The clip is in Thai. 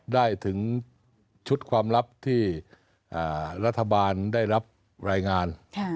ได้ถึงชุดความลับที่รัฐบาลได้รับรายงาน